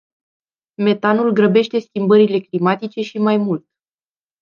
Metanul grăbește schimbările climatice și mai mult.